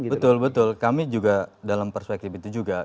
betul betul kami juga dalam perspektif itu juga